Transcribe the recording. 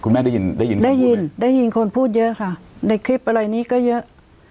ได้ยินได้ยินไหมได้ยินได้ยินคนพูดเยอะค่ะในคลิปอะไรนี้ก็เยอะ